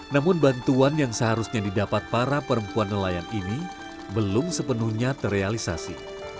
namun bantuan yang seharusnya didapat para perempuan nelayan ini belum sepenuhnya terrealisasi